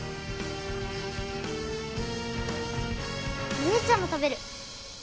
お姉ちゃんと食べる。